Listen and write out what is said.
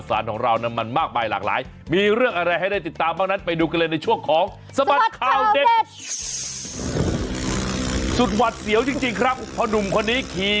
ใครมาพูดอย่างนี้ไม่ได้นะผมไลน์ยับเยอะเลยนะผมโอ๊ย